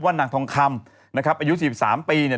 พบว่านางทองคำอายุ๔๓ปี